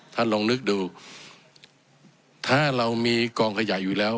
ท่านลองนึกดูถ้าเรามีกองขยะอยู่แล้ว